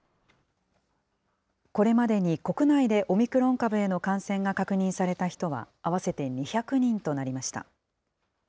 これまでに国内でオミクロン株への感染が確認された人は合わせて２００人となりました。